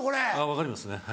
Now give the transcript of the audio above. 分かりますね。